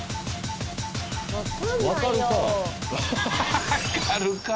分かるか。